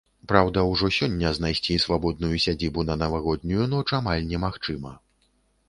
Праўда, ужо сёння знайсці свабодную сядзібу на навагоднюю ноч амаль немагчыма.